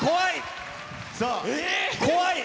怖い。